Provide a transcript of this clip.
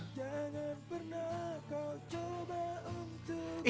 jangan pernah kau coba untuk